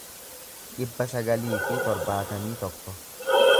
dhibba sagalii fi torbaatamii tokko